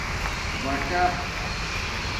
بٹھہ